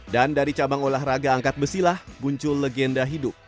dan dari cabang olahraga angkat besilah buncul legenda hidup